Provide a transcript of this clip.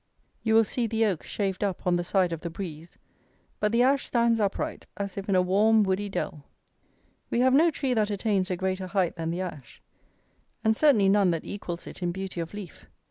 You will see the oak shaved up on the side of the breeze. But the ash stands upright, as if in a warm woody dell. We have no tree that attains a greater height than the ash; and certainly none that equals it in beauty of leaf.